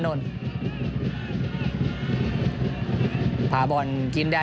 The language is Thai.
ส่วนที่สุดท้ายส่วนที่สุดท้าย